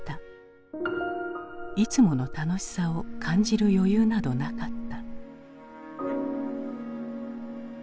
いつもの楽しさを感じる余裕などなかった。